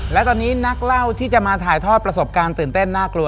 และตอนนี้นักเล่าที่จะมาถ่ายทอดประสบการณ์ตื่นเต้นน่ากลัว